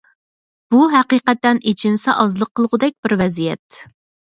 بۇ ھەقىقەتەن ئىچىنسا ئازلىق قىلغۇدەك بىر ۋەزىيەت.